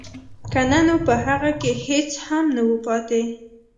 که نه نو په هغه کې هېڅ هم نه وو پاتې